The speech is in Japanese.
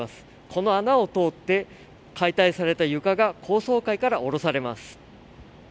この穴を通って解体された床が高層階から下ろされます。